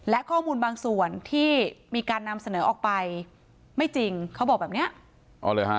และข้อมูลบางส่วนที่มีการนำเสนอออกไปไม่จริงเขาบอกแบบเนี้ยอ๋อเหรอฮะ